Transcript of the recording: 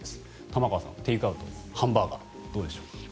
玉川さん、テイクアウトハンバーガー、どうでしょう。